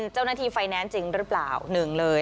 เจ้าหน้าที่ไฟแนนซ์จริงหรือเปล่าหนึ่งเลย